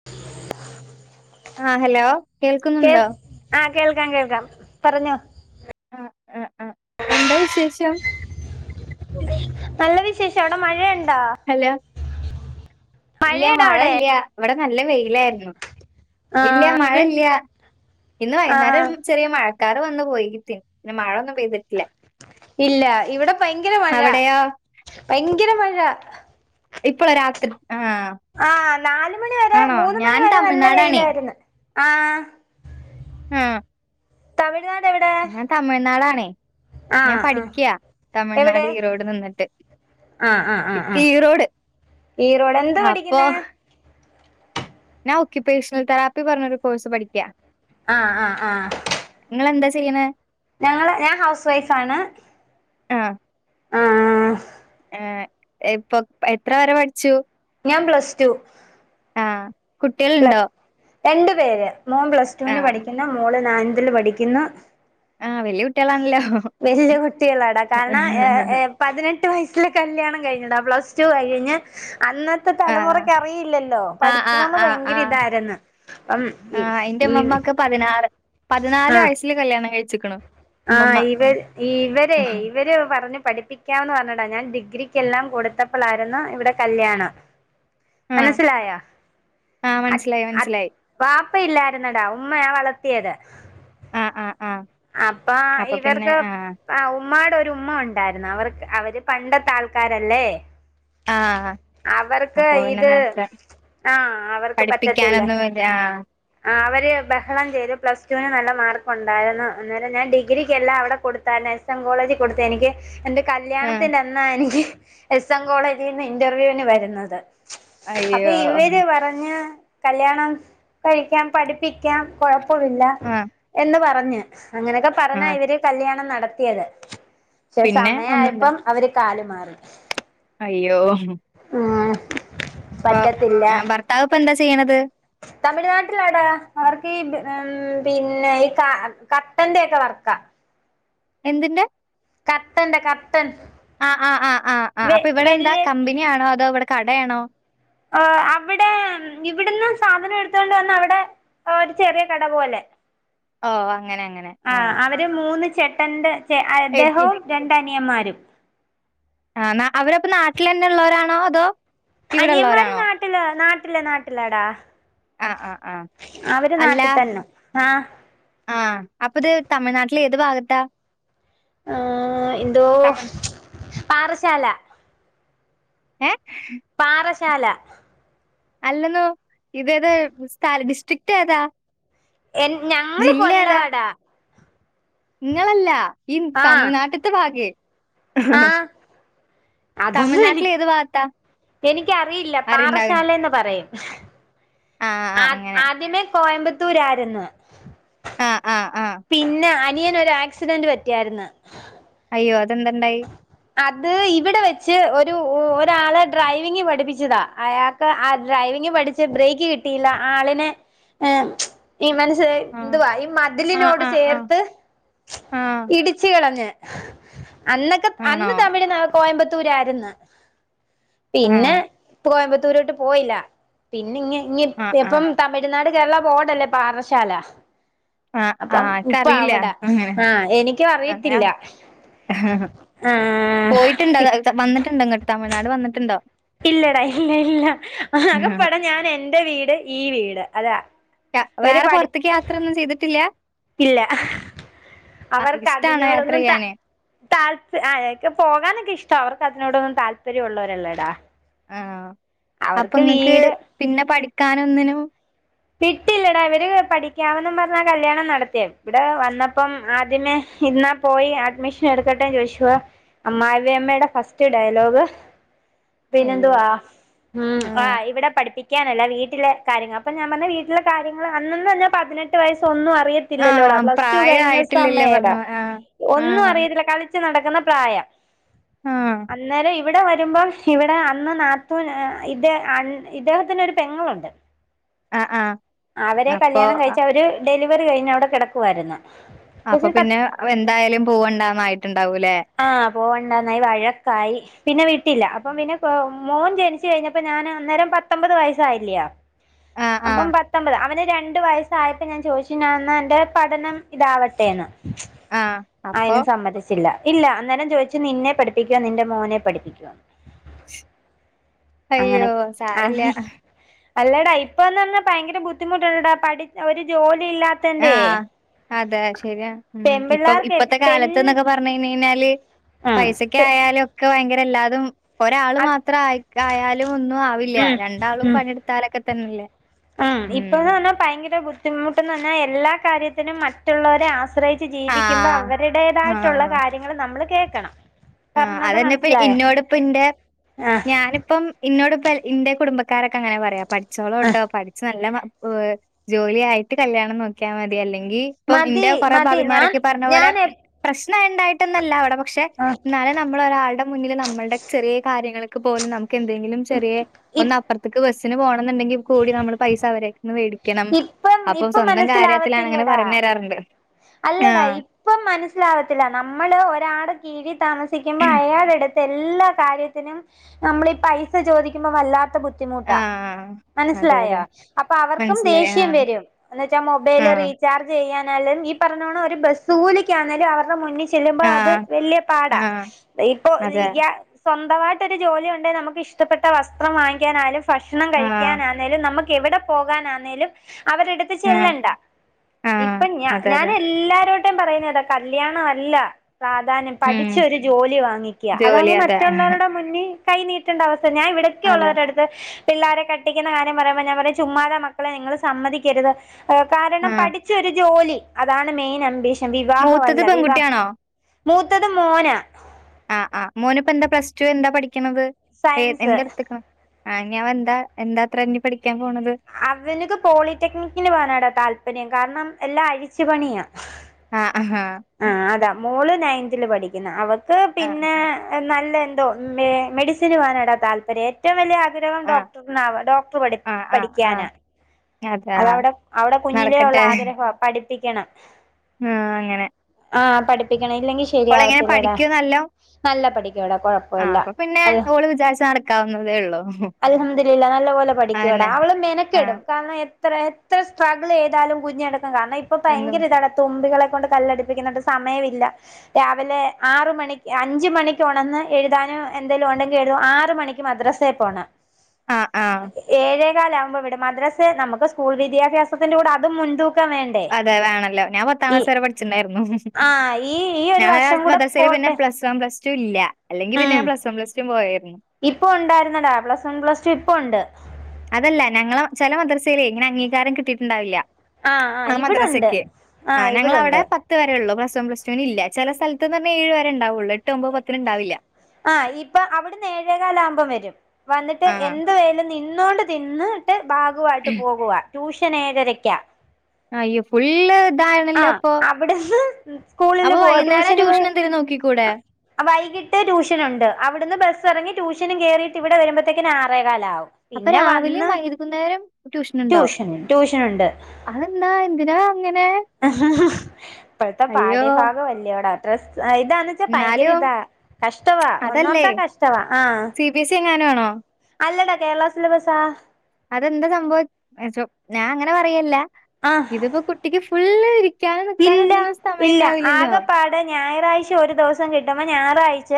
[inaudible] ആഹ് hello കേൾക്കുന്നുണ്ടോ ആഹ് കേൾക്കാം കേൾക്കാം പറഞ്ഞോ [unintelligible] എന്താ വിശേഷം നല്ല വിശേഷം അവിടെ മഴയുണ്ടാേ ഹലോ ഇല്ല മഴയുണ്ടോ മഴ അവിടെ ഇല്ല ഇവിടെ നല്ല വെയിലായിരുന്നു ആ ഇല്ല മഴ ഇവി ഇല്ല ഇന്ന് ആ ആ. വൈകുന്നേരം ചെറിയ മഴക്കാറ് വന്ന് പോയിട്ട് പിന്ന മഴൊന്നും പെയ്തിട്ട് ഇല്ല ഇവിടെ ഭയങ്കര മഴ അവിടെയോ ഭയങ്കര മഴ ഇപ്പോള രാത്രി ആഹ് ആ നാല് മണി വരെ ആണോ ഞാൻ തമിഴ്നാടാണേ ആഹ് ആഹ് തമിഴ്നാടെവിടേ ഞാൻ തമിഴ്നാടാണേ ഞാൻ പഠിക്ക്യാ തമിഴ്നാട് ഈറോഡ് നിന്നിട്ട് ആഹ് ആഹ് ആഹ് ആഹ് ഈറോഡ് ഈറോഡെന്താ അപ്പൊ പഠിക്കുന്നേ ഞാൻ ഒക്ക്യുപ്പേഷണൽ തറാപ്പി പറഞ്ഞൊരു കോഴ്സ് പഠിക്ക്യാ ആഹ് ആഹ് ആഹ് ഇങ്ങളെന്താ ചെയ്യണേ ഞങ്ങള് ഞാൻ ഹൗസ് വൈഫാണ് ആഹ് ആഹ് ആഹ് ഏഹ് ഇപ്പൊ എത്ര വരെ പഠിച്ചു ഞാൻ പ്ലസ് ടു ആഹ് പ്ല കുട്ടികള്ണ്ടോ രണ്ടു പേര് മോൻ പ്ലസ് ടുവിന് ആഹ് പഠിക്കുന്ന് മോള് നയൻതില് പഠിക്കുന്നു ആഹ് വല്ല്യ കുട്ടികളാ വല്ല്യ കുട്ടികളാടാ കാരണാ ഏഹ് ഏഹ് പതിനെട്ട് വയസ്സില് കല്യാണം കഴിഞ്ഞടാ പ്ലസ് ടു കഴിഞ്ഞ് അന്നത്ത് ത്ത ആഹ് തലമുറക്ക്യറിയില്ലല്ലോ ആഹ് ആഹ് പഠിക്കണോന്ന് ആഹ് ഭയങ്കര ആഹ് ഇതായിരുന്ന് അപ്പം ഈ ആഹ് എന്റെ ഈ ഉമ്മമ്മാക്ക് പതിനാറ് പതിനാല് ആഹ് വയസ്സില് കല്യാണം കഴിച്ചിക്ക്ണൂ ആഹ് ഇവര് ഇവരേ ഇവര് പറഞ്ഞു പഠിപ്പി ക്കാമെന്ന് പറഞ്ഞടാ ഞാൻ ഡിഗ്രിക്കെല്ലാം കൊടുത്തപ്പളാരുന്ന് ഇവിടെ കല്യാണം ആഹ് മനസ്സിലായോ ആഹ് അട്ട് മനസ്സിലായി അട്ട് മനസ്സിലായി വാപ്പ ഇല്ലാരുന്നെടാ ഉമ്മയാ വളർത്തിയത് ആഹ് ആഹ് ആഹ് അപ്പാ അപ്പൊ പിന്നെ ഇവർക്ക് ആഹ് ഉമ്മാടൊരുമ്മ ഒണ്ടായിരുന്ന് അവർക്ക് അവര് പണ്ടത്താൾക്കാരല്ലേ ആഹ് അവർക്ക് അപ്പൊ ഇത് ആഹ് അവർക്ക് പറ്റത്തില്ല പഠിപ്പിക്കാനൊന്നുവില്ലാ ആഹ് അവര് ബഹളം ചെയ്തു പ്ലസ് ടു ന് നല്ല മാർക്ക് ഒണ്ടായിരുന്നു അന്നേരം ഞാൻ ഡിഗ്രിക്കെല്ലാം അവടെ കൊടുത്തായിരുന്നു എസ് എം കോളേജീ കൊടുത്ത് എനിക്ക് എന്റെ ആഹ് കല്യാണത്തിന്റന്നാ എനിക്ക് എസ് എം കോളേജീന്ന് ഇന്റർവ്യൂവിന് വരുന്നത് അപ്പ അയ്യോ ഇവര് പർ റഞ്ഞ് കല്യാണം കഴിക്കാം പഠിപ്പിക്ക്യാം കൊഴപ്പവില്ല ആഹ് എന്ന് പറഞ്ഞ് അങ്ങനൊക്കെ പറഞ്ഞാ ആഹ് ഇവര് കല്യാണം നടത്തിയത് പക്ഷേ പിന്നെ ഒന്നുണ്ട സമയായപ്പം അവര് കാല് മാറി അയ്യോ ഉം ഇപ്പൊ പറ്റത്തില്ല ഭർത്താവ് ഇപ്പ എന്താ ചെയ്യണത് തമിഴ്നാട്ടിലാടാ അവർക്കീ ബ് ഉം പിന്നെ ഈ ക കർട്ടന്റെയൊക്കെ വർക്കാ എന്തിന്റെ കർട്ടന്റെ കർട്ടൻ ആഹ് ആഹ് ആഹ് ആഹ് ആഹ് വെ അപ്പൊ ഇവടെന്താ വെല്ല് കമ്പിനിയാണോ അതോ ഇവടെ കടേണോ ഓ അവിടേം ഉം ഇവിടുന്ന് സാധനം എടുത്തോണ്ട് വന്നവിടെ ഒരു ചെറിയ കട പോലെ ഓ അങ്ങനങ്ങനെ ആഹ് ര് മൂന്ന് ചേട്ടന്റെ ചേ ഏഹ് അദ്ദേഹവും രണ്ടനിയമ്മാരും ആന്നാ അവരപ്പ നാട്ടിലന്നെ ഇള്ളവരാണോ അതോ അനിയൻമാര് ഇവിടെള്ളോരാണോ? നാട്ടില് നാട്ടില് നാട്ടിലാടാ ആഹ് ആഹ് ആഹ് അവര് അല്ല നാട്ടിത്തന്ന ആഹ് ആഹ് അപ്പിത് തമിഴ്നാട്ടിലേത് ഭാഗത്താ ആഹ് എന്തോ തമിഴ് പാറശ്ശാല ഏഹ് പാറശാല അല്ലെന്നു ഇതേതാ സ്ഥല ഡിസ്ട്രിക്റ്റ് ഏതാ എൻ ഞങ്ങള് ജില്ല ഏതാ? കൊല്ലവടാ ഇങ്ങളല്ല ഈ ആഹ് തമിഴ്നാട്ട്ത്തെ ഭാഗേ ആഹ് അതൊന്നും എനി തമിഴ്നാട്ടില് എത് വാത്താ എനിക്കറിയില്ല പാറശാലേന്ന് പറയും ആഹ് ആഹ് ആ അങ്ങനെ ആദ്യമേ കോയമ്പത്തൂരായിരുന്നു ആഹ് ആഹ് ആഹ് പിന്നെ അനിയന് ഒരു ആക്സിഡന്റ് പറ്റിയാര്ന്ന് അയ്യോ അതെന്തണ്ടായി അത് ഇവിടെ വെച്ച് ഒരു ഒരാളെ ഡ്രൈവിംഗ് പഠിപ്പിച്ചതാ അയാ ക് ആ ഡ്രൈവിംഗ് പഠിച്ച് ബ്രേക്ക് കിട്ടിയില്ല ആളിനെ ഏഹ് ഇവൻ സെയ്‌ ആഹ് എന്തുവാ ഈ ആഹ് മതിലിനോട് ആഹ് ആഹ് ചേർത്ത് ആഹ് ഇടിച്ച് കളഞ്ഞ് അന്നൊക്കെ ആണോ? അന്ന് തമിഴുന്ന കോയമ്പത്തൂരാരുന്നു പിന്നെ. ആഹ് കോയമ്പത്തൂരോട്ട് പോയില്ല പിന്നെ ഇങ്‌ ങ്‌ ആഹ് ആഹ് എപ്പം തമിഴ്നാട് കേരള ബോടല്ലേ പാറശാല ആഹ് അപ്പം ആഹ് ഇപ്പ എക്കറിയില്ല അവിടെ അങ്ങനെ ആഹ് എനിക്കു ഞാ അറിയത്തില്ല പോയിട്ടുണ്ടോ ആഹ് വന്നിട്ടുണ്ട് ഇങ്ങട്ട് തമിഴ്നാട് വന്നിട്ടുണ്ടോ? ഇല്ലടാ ഇല്ല ഇല്ല ആകപ്പടെ ഞാൻ എന്റെ വീട് ഈ വീട് അതാ വേറെ പൊറത്തേക്ക് യാത്രൊന്നും ചെയ്തിട്ടില്ല ഇല്ല. അവർക്ക് ഇഷ്ടാണ് യാത്ര അതിനോടൊന്നും ത ചെയ്യാന് താൽപ് എനിക്ക് പോകാനൊക്കെ ഇഷ്ട അവർക്ക് അതിനോടൊന്നും താല്പര്യവുള്ളോരല്ലടാ ആഹ് അപ്പങ്ങക്ക് പിന്നെ പഠിക്കാനൊന്നിനും വിട്ടില്ല ടവര് പഠിക്കാവന്നും പറഞ്ഞാ കല്യാണം നടത്തിയേ ഇവിടെ വന്നപ്പം ആദ്യമേ ഇന്ന പോയി അഡ്മിഷൻ എടുക്കട്ടെ ചോദിച്ചു അമ്മായമ്മയുടെ ഫസ്റ്റ് ഡയലോഗ് പിന്നെ അയ്യോ എന്തുവാ ഉം ആഹ് ഇവിടെ പഠിപ്പിക്കാനല്ല വീട്ടിലെ കാര്യങ്ങ അപ്പൊ ഞാ ൻ പറഞ്ഞു വീട്ട്ലെ കാര്യങ്ങൾ അന്നന്നും ഞാൻ പതിനെട്ട് വയസ് ഒന്നും അറിയ ത്തില്ലല്ലോടാ ആഹ് പ്ലസ് ടു കഴിയുന്ന പ്രായായിട്ടില്ലല്ലേ സമയടാ പറഞ്ഞു ആഹ് ഒന്നും ആഹ് അറിയില്ല കാ ളിച്ചു നടക്കുന്ന പ്രായം ആഹ് അന്നേര ഇ വിടെ വരുമ്പം ഇവിടെ അന്ന് നാത്തു ഏഹ് ഇത് അണ് ‌ ഇദ്ദേഹത്തിന് ഒരു പെങ്ങളുണ്ട് അഹ് ആഹ് അവരെ അപ്പൊ കല്യാണം കഴിച്ച അവര് ഡെലിവറി കഴിഞ് അവിടെ കിടക്കുവായിരുന്നു അപ്പ കൊച്ചിന് പ പിന്നെ എന്തായാലും പൂവണ്ടന്നായിട്ടുണ്ടാവൂല്ലേ ആഹ് പോവണ്ടന്നായി വഴക്കായി പിന്നെ വിട്ടില്ല. അപ്പം പിന്നെ മോൻ ജനിച്ചു കഴിഞ്ഞപ്പോ ഞാൻ അന്നേരം പത്തൊമ്പത് വയസ്സായില്ലാ. ആഹ് ആഹ് അപ്പം പ പത്തൊമ്പത് അവന് രണ്ടു വയസ്സായപ്പോ ഞാൻ ചോദിച്ചു എന്റെ പഠനം ഇതാവട്ടെ എന്ന് ആഹ് അപ്പൊ അയിനും സമ്മതിച്ചില്ല ഇല്ല അന്നേരം ചോദിച്ചു നിന്നെ പഠിപ്പിക്കുവോ നിന്റെ മോനെ പഠിപ്പിക്കുവോ അങ്ങനെ അയ്യോ സാരല്ല ആഹ് അല്ലേടാ ഇപ്പ എന്ന് പറഞ്ഞാൽ ഭയങ്കര ബുദ്ധിമുട്ടുണ്ട്ടാ പഠി ഒരു ജോലി ഇല്ലാ... ആഹ് അതെ ശരിയ. ഉ ഇപ്പൊ പെൺപിള്ളേർക്ക് ഇപ്പത്തെ പെൺ കാലത്ത്ന്നൊക്കെ പറഞ്ഞ് യ് ഞാല് ഴിഞ്ഞാല് ഉം, പൈസക്ക പെ- ആയാലും ഒക്കെ ഭയങ്കരല്ലാതും ഒരാള് അത്- മാത്രം ആയി ആയാലും ഒന്നും ആവില്ല ഉം, രണ്ടാളും ഉം, പണിയെടുത്താലൊക്കെ തന്നെല്ലേ ഉം ഇപ്പന്ന് പറഞ്ഞാൽ ഭയങ്കര ബുദ്ധിമുട്ട്ന്ന് പറഞ്ഞാൽ എല്ലാ കാര്യത്തിനും മറ്റുള്ളവരെ ആശ്രയി ജീവിക്കുമ്പോ ആഹ് അവരുടേതായിട്ടുള്ള ആഹ് കാര്യങ്ങള് നമ്മൾ കേൾക്കണം ആഹ് പറഞ്ഞത് അതന്നെപ്പ മനസ്സിലായോ ഇന്നോടപ്പന്റെ ആഹ് ഞാനിപ്പം ഇന്നോട്പ്പ ഇന്റെ കുടുംബക്കാരൊക്കെ അങ്ങനെ പറയാ ആഹ് പഠിച്ചോളട്ടോ പഠിച്ച് നല്ല അഹ് ജോലി ആയിട്ട് കല്യാണം നോക്കിയാ മതി അല്ലെങ്കി ഇപ്പം ഇന്റെ മതി കൊറെ മതി ഞാൻ ഭാബിമാരൊക്കെ പറഞ്ഞ പോലെ ഞാൻ എപ് പ്രശ്ന ഉണ്ടായിട്ടന്നല്ല അവിടെ പക്ഷെ ആഹ് എന്നാലെ നമ്മള ഒരാളുടെ മുന്നിൽ നമ്മളുടെ ചെറിയ കാര്യങ്ങൾക്ക് പോലും നമുക്ക് എന്തെങ്കിലും ചെറിയെ ഇ ഒന്ന് അപ്പുറത്തേക്ക് ബസ്സിന് പോണം എന്നുണ്ടെങ്കിൽ കൂടി നമ്മള് പൈസ അവരെ ന്ന് മേടിക്കണം ഇപ്പം അപ്പൊ ഇപ്പം സ്വന്തം കാര്യത്തിലാണ് അങ്ങനെ മനസ്സിലാവത്തില്ലടാ പറഞ്ഞു തരാറുണ്ട് അല്ലടാ ആഹ് ഇപ്പം മനസ്സിലാാവത്തില്ല നമ്മള് ഒരാള കീഴ താമസിക്കുമ്പോൾ അയാടെടുത്ത് എല്ലാ കാര്യത്തിനും നമ്മളീ പൈസ ചോദിക്കുമ്പോ വല്ലാത്ത ബുദ്ധി ട്ടാ ആഹ് അതെ അതെ മനസ്സിലായോ! അപ്പൊ അവർക്കും മനസ്സിലായി ദേഷ്യം ആഹ് വരും എന്ന വച്ചാൽ മൊബൈല് റി ആഹ് ചാർജ് ചെയ്യാനാലും ഈ പറഞ്ഞോണം ഒരു ബസ് കൂലിക്ക ആന്നാലും അവരുടെ മുന്നിൽ ചെല്ലുമ്പോ അത് ആഹ് വല്ല്യ പാടാ ആഹ് ഇപ്പൊ അതെ [unintelligible] സ്വന്തമായിട്ടൊരു ജോലി ഉണ്ടെങ്കിൽ നമുക്ക് ഇഷ്ടപ്പെട്ട വസ്ത്രം വാങ്ങിക്കാനായാലും ഭക്ഷണം ആഹ് കഴിക്കാനാലും ലും നമുക്ക് എവിടെ പോകാനാന്നേലും അവരുടുത്ത് ആഹ് ചെല്ലണ്ട ആഹ് ഇപ്പഞ അതെ ഞാൻ അതെ എല്ലാരോട് ത്യം പറയുന്നതാ കല്യാണം അല്ല പ്രാധാന്യം ഉം പഠിച്ചൊരു ജോലി വാങ്ങിക്കുക ജോലി അതാവുമ്പോ അതെ ആഹ് മറ്റുള്ളവരുടെ മുന്നിൽ കൈ നീട്ടേണ്ട അവസ്ഥ ഞാൻ അതെ ഇവിടക്കുള്ളള്ളരുടെ അടുത്ത് പിള്ളാരെ കട്ടിക്കുന്ന കാര്യം പറയുമ്പോൾ ഞാൻ പറയും ചുമ്മാത മക്ക ളെ നിങ്ങൾ സമ്മതിക്കരുത് കാരണം ആഹ് പഠിച്ചരു ജോലി അതാണ് മെയിൻ അംബീഷൻ. മൂത്തത് വിവാഹല്ല വിവാഹ പെൺകുട്ടിയാണോ മൂത്തത് മോന ആഹ് ആഹ് മോനിപ്പ എന്താ പ്ലസ് ടു എന്താ പഠിക്കണുന്നത് ഏഹ് സയൻസ് എന്ത് എടുത്ത്ക്ക്ണ ആഹ് ഞ്ഞിവൻ എന്താ എന്താ അത്ര ഇഞ്ഞി പഠിക്കാൻ പോണത് അവന്ക്ക് പോളിടെക്നിക്കിന് പോകാനടാ താല്പര്യം കാരണം എല്ലാം അഴിച്ചു പണിയാ ആഹ് അഹ് ആന് അതാ മോള് നയൻത്തിൽ പഠിക്കുന്ന അവക്ക് ആഹ് പിന്നെ നല്ല എന്തോ മെഡിസിന് പോകാനാടാ താല്പര്യം ഏറ്റവും വലിയ ആഗ്രഹം ആഹ് ഡോക്ടറിന ഡോക്ടർ ആഹ് ആഹ് പഠിക്കാനാ ആഹ് അതാ അതവിടെ അവിടെ കുഞ്ഞിലേ ഉള്ള നടക്കട്ടെ ആഗ്രഹം പഠിപ്പിക്കണം ആഹ് അങ്ങനെ ആഹ് പഠിപ്പിക്കണം ഇല്ലെങ്കിൽ ഓളെങ്ങനെ ശരിയാവത്തില്ലടാ പഠിക്കോ നല്ലോം നല്ല പഠിക്കുട കുഴപ്പ ആഹ് പ്പല്ല. അപ്പൊ പിന്നെ അല്ല അൽ ഓള് വിചാരിച്ച നടക്കാവുന്നതേ ഉള്ളൂ അൽഹംദുരില്ലാ നല്ല പോലെ പഠിക്കവടാ അതന്നെ അവൾ മെന ആഹ് കെടും കാരണം എത്ര എത്ര സ്ട്രഗിൾ ഏതാലും കുഞ്ഞെടുക്കും കാരണം ഇപ്പൊ എന്നും ഭയങ്കര ഇതാണ് തുമ്പികളെ കൊണ്ട് കല്ലടിപ്പിക്കുന്നണ്ട് സമയമില്ല രാവിലെ ആറ് മണിക്ക് അഞ്ച് മണിക്ക് ഉണെന്ന് എഴുതാനും എന്തേങ്കലും ഉണ്ടെങ്കിൽ എഴുതു ആറ് മണിക്ക് ക്ക് മദ്രാസേ പോണം ആഹ് ആഹ് ഏഴേകാല ആകുമ്പോ ഇവിടെ മദ്രാസ് നമുക്ക് സ്കൂൾ വിദ്യാഭ്യാസത്തിന്റെ കൂടെ അതും മുൻതൂക്കാൻ വേ അതെ വേണല്ലോ ഞാ പത്താം ക്ലാസ് വരെ പഠിച്ചിണ്ടായിരുന്നു ആഹ് ഈ ഈ ഒരു ഞങ്ങളെ വർഷം കൂടെ മദ്രസയിൽ പിന്നെ പോട്ടെ പ്ലസ് വൺ പ്ലസ് ടു ഇല്ല അല്ലെങ്കി പിന്നെ പ്ലസ് വൺ പ്ലസടും പോയായിരുന്നു ഇപ്പ ഉണ്ടായിരുന്നടാ പ്ലസ് വൺ പ്ലസ് ടു ഇപ്പ ഉണ്ട് അതല്ല ഞങ്ങള് ചില മദ്രസയിലെ ഇങ്ങനെ അംഗീകാരം കിട്ടിട്ടുണ്ടാവില്ല ആഹ് മദ്രാസക്കെ ആഹ് ഞങ്ങളവിടെ പ ത്ത് വരെ ഉള്ളൂ പ്ലസ് വൺ പ്ലസ്ടുല്ല ചില സ്ഥലത്ത് പറഞ്ഞാ ഏഴ് വരെണ്ടാവുള്ള എട്ട് ഒൻപത് പത്തിന്ണ്ടാവില്ല ആഹ് ഇപ്പൊ അവിടെന്ന് ഏഴേകാല ആ കുമ്പോം വരും വന്നിട്ട് ആ എന്ത് വേലും നിന്നോണ്ട് തിന്ന് ട്ട് ബാഗുമായിട്ട് പോകുക ട്യൂഷൻ ഏഴരക്കാ അയേ ഫുള് ഇതാണല്ലേ ആഹ് അപ്പൊ അവിടുന്ന് സ്കൂളില് അപ്പൊ വൈകുന്നേരം ട്യൂഷൻ എന്തേലും നോക്കി കൂടെ ആഹ് വൈകി ട്ട് ട്യൂഷൻ ഉണ്ട് അവിടുന്ന് ബസ് ഇറങ്ങി ട്യൂഷനും കേയറിയിട്ട് ഇവിടെ വരുമ്പോഴത്തേക്കന് ആറേകാല ആവും അപ്പൊ പിന്നെ രാവിലെയും വന്ന് വൈകുന്നേരം ഉണ്ടോ ട്യൂഷൻ ട്യൂഷൻ ഉണ്ട് അതെന്താ എന്തിനാ അഅങ്ങനെ ഇപ്പോഴത്തെ പാഠ്യഭാഗം വല്യോടാ ട്രസ് ഇതാണ് ഭയങ്കര എന്നാലും ഇതാ കഷ്ടവാ അതല്ലേ ഒന്നോർത്ത കഷ്ടവാ ആഹ് സി ബി സി എങ്ങനാണോ? അല്ലടാ കേരള സിലബസാ. അതെന്താ സംഭവം ചെ ഞാൻ അങ്ങനെ പറയല്ല ആഹ് ഇതിപ്പോ കുട്ടിക്ക് ഫുള്രി ക്കാനോ നിക്കാനോന്നിനും സമയ ഉണ്ടാവില്ലല്ലോ? വിടെ ഞായറാഴ്ച ഒരു ദിവസം കിട്ടുമ്പോ ഞായറാഴ്ച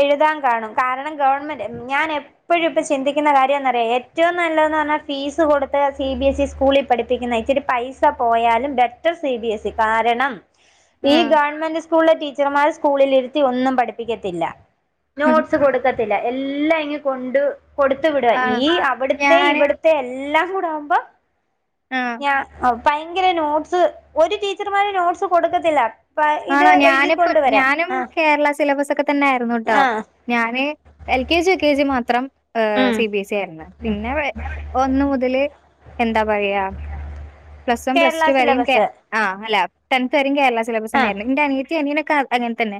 എഴുതാൻ കാണും. കാരണം ഗവൺമെന്റ് ഞാൻ എപ്പോഴും ഇപ്പോ ചിന്തി ന്ന കാര്യംന്ന്റിയോ ഏറ്റവും നല്ലതെന്ന് പറഞ്ഞാൽ ഫീസ് കൊടുത്ത് സി ബി എസ് ഇ സ്കൂളിൽ പഠിപ്പിക്കുന്ന ഇച്ചരി പൈ സ പോയാലും better C B S E കാരണം ഈ ആഹ് ഗവൺമെന്റ് സ് സ്കൂളിലെ ടീച്ചർമാർ സ്കൂളിൽരുതി ഒന്നും പഠിപ്പിക്കത്തില്ല നോട്സ് കൊ ടുക്കത്തില്ല എല്ലാം ഇങ്ങ് കൊണ്ട് കൊടുത്തു വിടുക ആണോ ഈ അവിടുത്തെ ഞാന് ഇവിടു ത്തെ എല്ലാം കൂടെ ആവുമ്പോ അഹ്‌ അഹ്‌ ഭയങ്കര നോട്ടസ് ഒരു ടീച്ചർമാര് നോട്ട്സ് കൊടുക്കത്തില്ല. പ്പ ഇത് ആണോ ഞാനിപ്പം എഴുതിക്കൊണ്ട് വരാൻ ഞാനും ആഹ് കേരള സിലബസക്കെ തന്നെ ആയിരുന്നുട്ടോ. ആഹ് ഞാന് L K G U K G മാത്രം ഹേ ഉം സി ബി എസ് ഇ ആയിരുന്നു പിന്നെ ഒന്ന് മുതല് എന്താ പറയാ? Plus one plus Kerala two വരെയും കേ സിലബസ് ആ അല്ല ടെൻത്ത് വരെയും കേരള സിലബസ് ആഹ് തന്നെയായിരുന്നു എന്റെ അനിയതിം അനിയനൊക്കെ അങ്ങനെ തന്നെ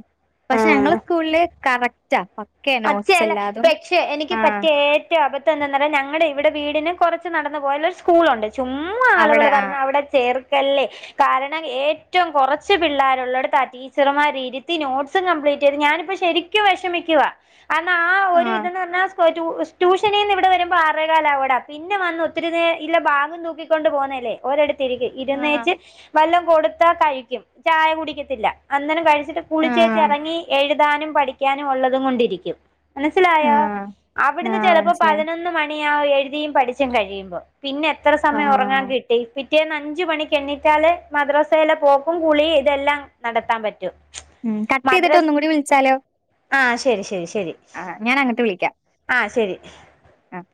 പക്ഷെ ഞങ്ങള് സ്കൂളില് കറക്റ്റാ പക്കയാ നോട്ട്സ് അഛയല്ല എല്ലാതും പക്ഷെ എനിക്ക് പറ്റ ആഹ് യ അബദ്ം എന്താന്നാറ ഞങ്ങടെ ഇവിടെ വീടിന് കുറച്ച് നടന്നു പോയ ഒരു സ്കൂളുണ്ട് ചുമ്മാ ആളുകള് അവിടെ പറഞ്ഞ ആഹ് അവിടെ ചേർക്കല്ലേ. കാരണം ഏറ്റവും കൊറച്ച് പിള്ളേരുള്ളോട്ത്ത് അധി ടീച്ചർമാരീര്ത്തി നോട്സും കംപ്ലീറ്റ് ചെയ്ത് ഞാനിപ്പ ശരിക്കും വെഷമിക്കുവാ അന്ന ആ ഒരു ആഹ് ഇതന്ന് പർഞ്ഞാ [unintelligible] ട്യൂഷനീന്ന് ഇവിടെ വരുമ്പൊ ആറേ കാലവൊടാ പിന്നെ വന്നു ഒത്തിരി നേ ഇല്ല ബാഗും തൂക്കിക്കൊണ്ട് പോന്നല്ലേ ഓരട് ത്തിരിക്ക് ആഹ് ഇരുന്നേച്ച് വെല്ലോം കൊടുത്താ കഴിക്കും ചായ കുടിക്കത്തില്ല അന്നേനം കഴി ച്ചിട്ട് ആഹ് കുളിച്ചേച്ചെറങ്ങി എഴുതാനും പഠിക്കാനും ഉള്ളതും കൊണ്ടിരിക്കും. മനസ്സിലായോ ആഹ് അവിടുന്ന് ആഹ് ചെലപ്പൊ മനസ്സിലായി പതിനൊന്ന് മണിയാവും എഴുതിയും പഠിച്ചും കഴിയുമ്പം പിന്നെ എത്ര സമയം ഒറങ്ങാൻ ആഹ് കി ട്ടി. പിറ്റേന്ന് അഞ്ച് മണിക്ക്‌ എണ്ണിറ്റാല് മദ്രാസയിലെ പോക്കും കുളി ഇതെല്ലാം നടത്താൻ പ റ്റും ഉം കട്ട് ചെയ്തിട്ട് മദ്രസ് ഒന്നും കൂടി വിളിച്ചാലോ ആഹ് ശരി ശരി ശരി ആഹ് ഞാനങ്ങട്ട് വിളിക്കാം. ആഹ് ശരി ആഹ്